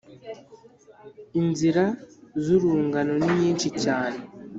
Inzira z’urungano ni nyinshi cyane